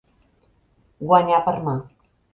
Guanyar per mà.